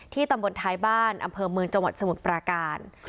ตำบลท้ายบ้านอำเภอเมืองจังหวัดสมุทรปราการ